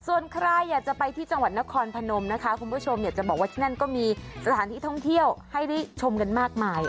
ส่วนใครอยากจะไปที่จังหวัดนครพนมนะคะคุณผู้ชมอยากจะบอกว่าที่นั่นก็มีสถานที่ท่องเที่ยวให้ได้ชมกันมากมาย